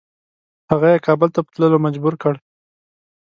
هغه یې کابل ته په تللو مجبور کړ.